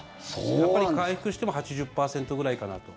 やっぱり回復しても８０％ぐらいかなと。